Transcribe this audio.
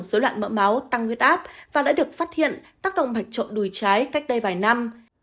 dối loạn mỡ máu tăng huyết áp và đã được phát hiện tác động mạch trộm đùi trái cách đây vài năm